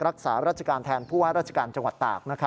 รักษาราชการแทนผู้ว่าราชการจังหวัดตาก